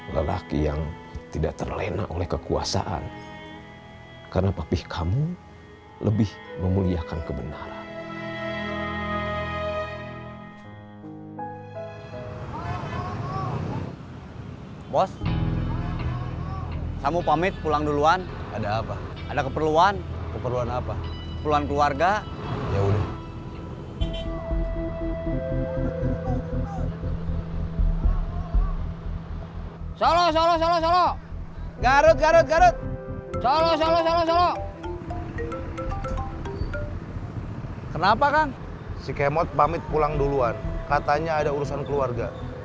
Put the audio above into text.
salah salah salah salah